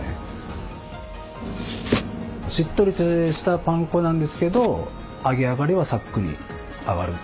しっとりとしたパン粉なんですけど揚げ上がりはサックリ揚がる。